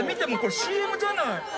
ＣＭじゃない。